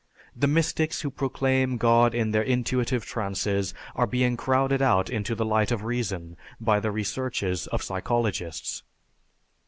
The mystics who proclaim God in their intuitive trances are being crowded out into the light of reason by the researches of psychologists.